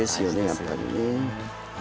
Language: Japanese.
やっぱりね。